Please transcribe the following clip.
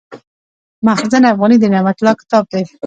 مخزن افغاني د نعمت الله کتاب دﺉ.